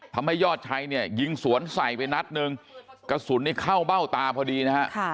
ทำให้ยอดชัยเนี่ยยิงสวนใส่ไปนัดหนึ่งกระสุนนี้เข้าเบ้าตาพอดีนะฮะ